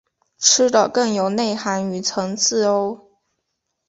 吃的更有内涵与层次喔！